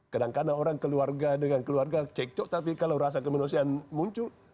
kadang kadang orang keluarga dengan keluarga cekcok tapi kalau rasa kemanusiaan muncul